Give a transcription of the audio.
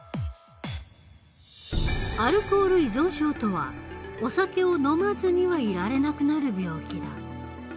アルコール依存症とはお酒を飲まずにはいられなくなる病気だ。